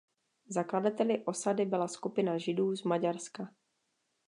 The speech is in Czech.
Zakladateli osady byla skupina Židů z Maďarska.